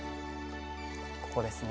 ここですね。